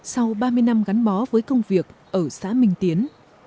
sau ba mươi năm gắn bó với công việc ở xã minh tiến